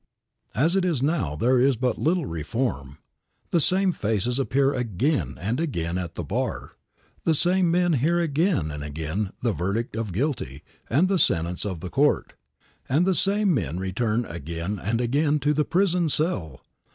As it is now, there is but little reform. The same faces appear again and again at the bar; the same men hear again and again the verdict of guilty and the sentence of the court, and the same men return again and again to the prison cell.